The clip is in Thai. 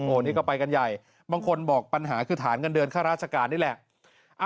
อันนี้ก็ไปกันใหญ่บางคนบอกปัญหาคือฐานเงินเดือนค่าราชการนี่แหละ